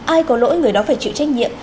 ai có lỗi người đó phải chịu trách nhiệm